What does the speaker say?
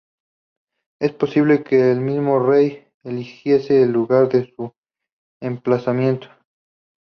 Es posible que el mismo Rey eligiese el lugar de su emplazamiento.